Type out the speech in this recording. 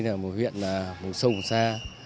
là một huyện sâu xa